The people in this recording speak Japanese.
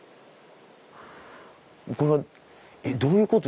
これはえっどういうこと？